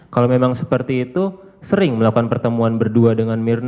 kalau memang seperti itu sering melakukan pertemuan berdua dengan mirna